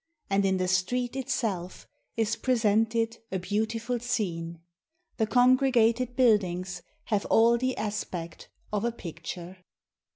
And in the street itself is presented a beautiful scene; The congregated buildings have all the aspect of a picture.